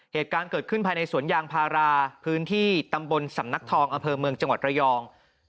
เหตุการณ์เกิดขึ้นภายในสวนยางพาราพื้นที่ตำบลสำนักทองอำเภอเมืองจังหวัดระยอง